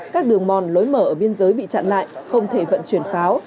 các đường mòn lối mở ở biên giới bị chặn lại không thể vận chuyển pháo